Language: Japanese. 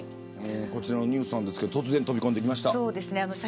こちらのニュースですが突然飛び込んできました。